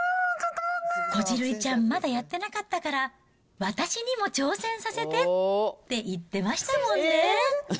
こじるりちゃん、まだやってなかったから私にも挑戦させてって言ってましたもんね。